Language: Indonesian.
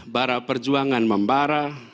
barak perjuangan membara